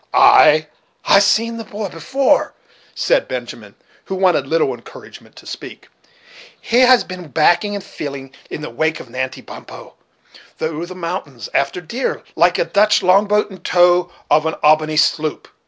"Ay! I have seen the boy before," said Benjamin, who wanted little encouragement to speak; "he has been backing and filling in the wake of Natty Bumppo, through the mountains, after deer, like a Dutch long boat in tow of an Albany sloop.